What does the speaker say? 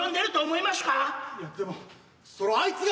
いやでもそのあいつが。